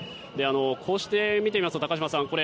こうして見てみると、高島さん